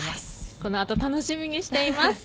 このあと楽しみにしています。